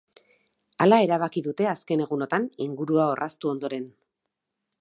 Hala erabaki dute azken egunotan ingurua orraztu ondoren.